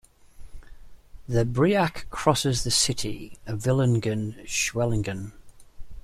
The Brigach crosses the city Villingen-Schwenningen.